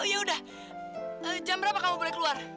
oh yaudah jam berapa kamu boleh keluar